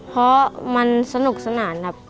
เพราะมันสนุกสนานครับ